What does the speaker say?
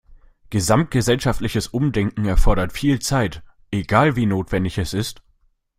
Gesamtgesellschaftliches Umdenken erfordert viel Zeit, egal wie notwendig es ist.